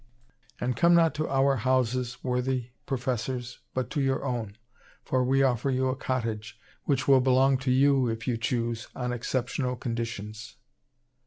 And come not to our houses, worthy professors, but to your own, for we offer you a cottage, which will belong to you, if you choose, on exceptional conditions.'"